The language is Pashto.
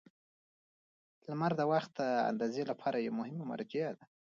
• لمر د وخت اندازې لپاره یوه مهمه مرجع ده.